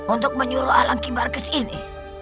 untuk menyuruh alang kibar kesini